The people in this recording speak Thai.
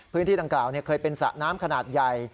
พื้นที่ดังกล่าวเคยเป็นสระน้ำขนาดใหญ่